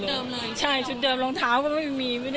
พูดสิทธิ์ข่าวธรรมดาทีวีรายงานสดจากโรงพยาบาลพระนครศรีอยุธยาครับ